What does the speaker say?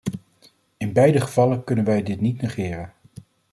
In beide gevallen kunnen wij dit niet negeren.